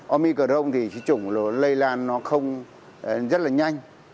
omicron thì cái chủng lây lan nó không rất là nhanh